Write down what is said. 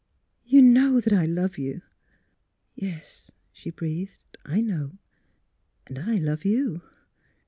'' You know that I love you! "'' Yes, '' she breathed. '' I know. And I — love you."